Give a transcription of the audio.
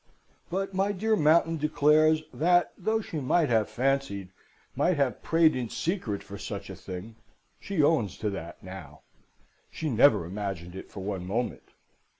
But my dear Mountain declares that, though she might have fancied, might have prayed in secret for such a thing (she owns to that now), she never imagined it for one moment.